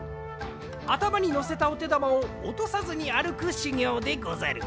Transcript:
あたまにのせたおてだまをおとさずにあるくしゅぎょうでござる。